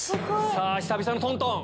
久々のトントン。